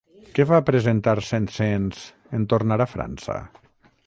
Què va presentar Saint-Saëns en tornar a França?